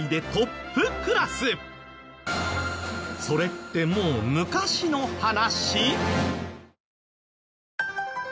それってもう昔の話！？